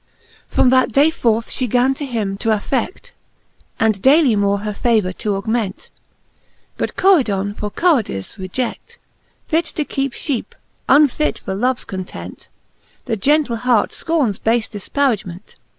XXXVII. From that day forth fhe gan him to affed:. And daily more her favour to augment; But Coridon for cowherdize reje<3:, Fit to keepe fhcepe, unfit for loves content : The gentle heart fcornes bafe difparagement.